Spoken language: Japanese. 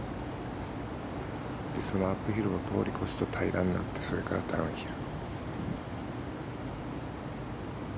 そのアップヒルを通り越すと平らになってそれからダウンヒル。